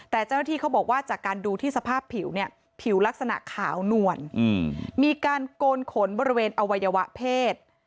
แต่เจ้าหน้าที่เขาบอกว่าจากการดูที่สภาพผิวเนี่ยผิวลักษณะขาวนวลมีการโกนขนบริเวณอวัยวะเพศ